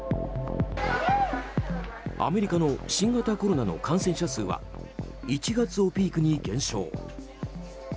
アメリカの新型コロナの感染者数は１月をピークに減少。